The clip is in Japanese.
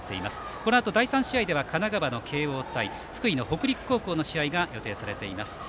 このあと第３試合では神奈川の慶応対福井の北陸高校の試合が予定されています。